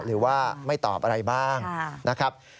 หรือว่าไม่ตอบอะไรบ้างนะครับ